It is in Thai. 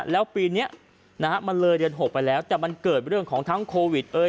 แล้วปีนี้มันเลยเดือน๖ไปแล้วแต่มันเกิดเรื่องของทั้งโควิด